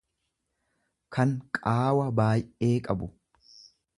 kan qaawa baay'ee qabu.